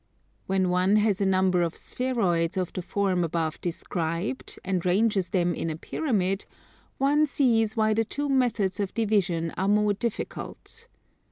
When one has a number of spheroids of the form above described, and ranges them in a pyramid, one sees why the two methods of division are more difficult.